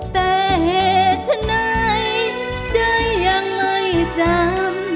แต่เหตุฉันไหนใจยังไม่จำ